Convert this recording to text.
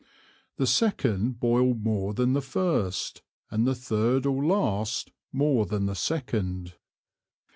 The second boil more than the first, and the third or last more than the second.